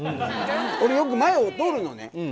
俺、よく、前を通るのね。